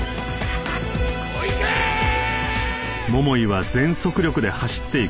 小池ーっ！